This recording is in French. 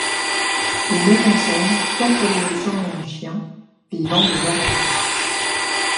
Ils mettent en scène quatre adolescents et un chien vivant des aventures.